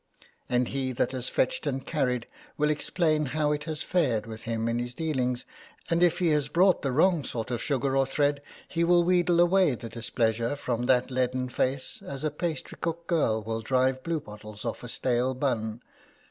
And he that has fetched and carried will explain how it has fared with him in his dealings, and if he has brought the wrong sort of sugar or thread he will wheedle away the displeasure from that leaden face as a pastrycook girl will drive bluebottles off a stale bun.